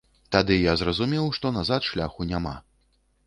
Тады я зразумеў, што назад шляху няма.